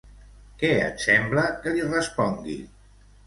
Què et sembla que li respongui?